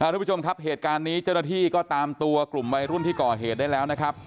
ทุกผู้ชมครับเหตุการณ์นี้เจ้าหน้าที่ก็ตามตัวกลุ่มวัยรุ่นที่ก่อเหตุได้แล้วนะครับ